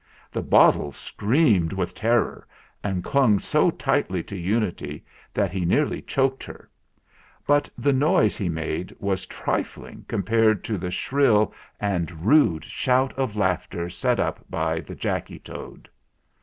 The bottle screamed with terror and clung so tightly to Unity that he nearly choked her; but the noise he made was trifling compared to the shrill and rude shout of laughter set up by the Jacky Toad.